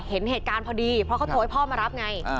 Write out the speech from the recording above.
เห็นเหตุการณ์พอดีเพราะเขาโทรให้พ่อมารับไง